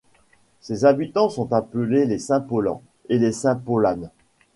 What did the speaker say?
Ses habitants sont appelés les Saint-Paulans et les Saint Paulanes.